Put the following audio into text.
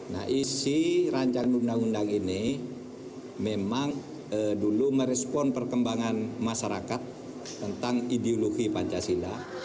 nah isi rancangan undang undang ini memang dulu merespon perkembangan masyarakat tentang ideologi pancasila